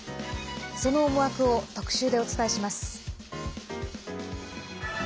その思惑を特集でお伝えします。